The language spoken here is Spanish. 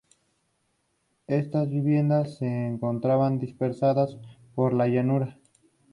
Estas viviendas se encontraban dispersadas por la llanura.